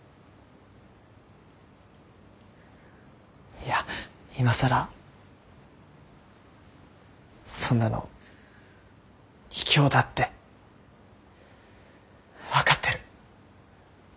いや今更そんなのひきょうだって分かってる。